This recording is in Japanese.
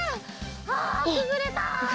あくぐれた！